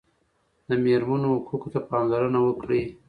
د مېرمنو حقوقو ته پاملرنه وکړئ.